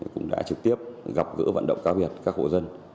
cũng đã trực tiếp gặp gỡ vận động cá biệt các hộ dân